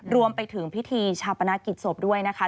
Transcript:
รวมไปถึงพิธีชาปนกิจศพด้วยนะคะ